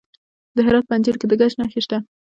د هرات په انجیل کې د ګچ نښې شته.